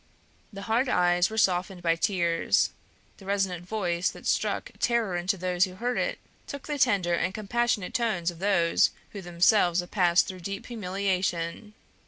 The hard eyes were softened by tears; the resonant voice that struck terror into those who heard it took the tender and compassionate tones of those who themselves have passed through deep humiliation.